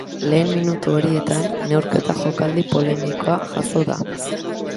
Lehen minutu horietan neurketako jokaldi polemikoa jazo da.